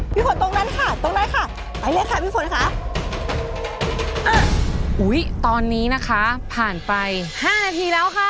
ฝนตรงนั้นค่ะตรงนั้นค่ะไปเลยค่ะพี่ฝนค่ะอ่ะอุ้ยตอนนี้นะคะผ่านไปห้านาทีแล้วค่ะ